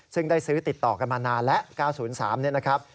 ซึ่งได้ซื้อติดต่อกันมานานแล้ว๙๐๓เนี่ยนะครับ